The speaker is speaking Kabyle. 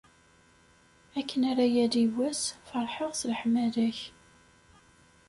Akken ara yali wass, ferrḥeɣ s leḥmala-k.